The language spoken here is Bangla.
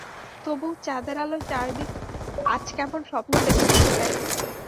তবু, চাঁদের আলোয় চারিদিক আজ কেমন স্বপ্ন দেখিতেছে দ্যাখো।